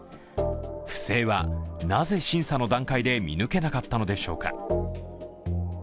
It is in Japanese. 不正は、なぜ審査の段階で見抜けなかったのでしょうか。